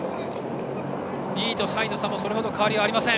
２位と３位の差もそれほど変わりはありません。